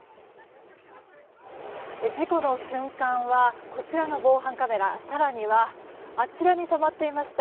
事故の瞬間はこちらの防犯カメラ更にはあちらに止まっていました